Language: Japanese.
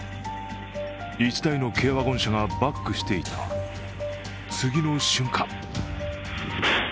１台の軽ワゴン車がバックしていた次の瞬間